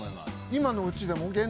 今のうちでも？